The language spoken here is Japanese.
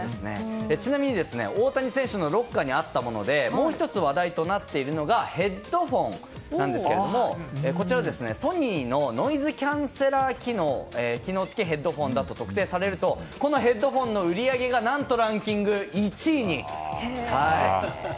ちなみに、大谷選手のロッカーにあったものでもう１つ、話題となっているのがヘッドフォンなんですけどこちらソニーのノイズキャンセラー機能付きのヘッドフォンだと特定されるとこのヘッドフォンの売り上げが何と、ランキング１位に。